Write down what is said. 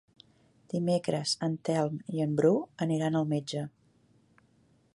Dimecres en Telm i en Bru aniran al metge.